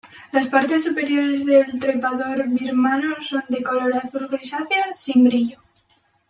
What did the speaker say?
Las partes superiores del trepador birmano son de color azul grisáceo, sin brillo.